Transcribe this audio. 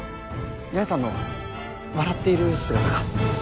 八重さんの笑っている姿が。